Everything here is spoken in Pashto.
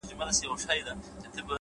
د دوى دا هيله ده چي،